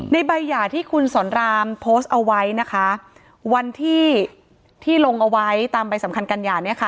ในใบหย่าที่คุณสอนรามโพสต์เอาไว้นะคะวันที่ที่ลงเอาไว้ตามใบสำคัญกันหย่าเนี่ยค่ะ